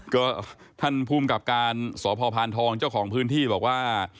ก็ท่านภูมิกับการสพพานทองเจ้าของพื้นที่บอกว่า